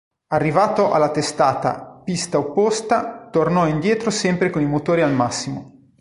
Arrivato alla testata pista opposta tornò indietro sempre con i motori al massimo.